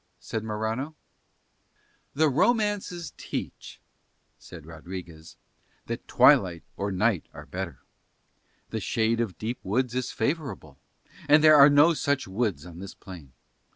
said Morano. "The romances teach," said Rodriguez, "that twilight or night are better. The shade of deep woods is favourable, but there are no such woods on this plain.